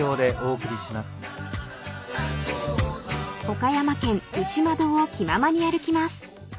［岡山県牛窓を気ままに歩きます］